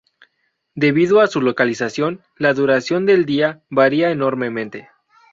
Debido a su localización, la duración del día varía enormemente.